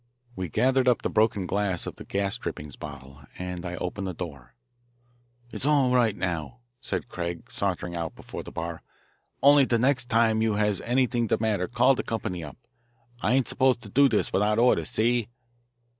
We gathered up the broken glass of the gas drippings bottle, and I opened the door. "It's all right, now," said Craig, sauntering out before the bar. "Only de next time you has anyt'ing de matter call de company up. I ain't supposed to do dis wit'out orders, see?"